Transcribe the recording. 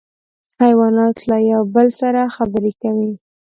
حیوانات له یو بل سره خبرې کوي